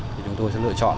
thì chúng tôi sẽ lựa chọn